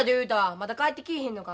まだ帰ってきぃひんのか？